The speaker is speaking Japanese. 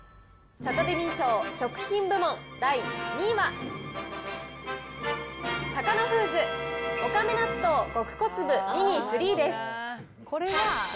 サタデミー賞、食品部門第２位は、タカノフーズ、おかめ納豆極小粒ミニ３です。